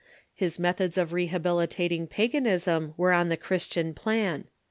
His methods of rehabilitating pagan ism were on the Christian plan.